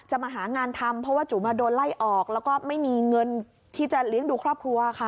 มาหางานทำเพราะว่าจุ๋มาโดนไล่ออกแล้วก็ไม่มีเงินที่จะเลี้ยงดูครอบครัวค่ะ